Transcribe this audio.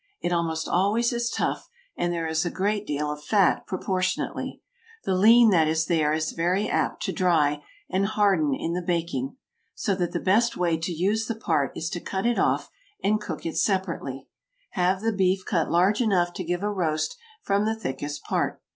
It almost always is tough, and there is a great deal of fat proportionately. The lean that is there is very apt to dry and harden in the baking. So that the best way to use the part is to cut it off and cook it separately. Have the beef cut large enough to give a roast from the thickest part.